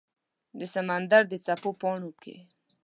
د سمندردڅپو پاڼو کې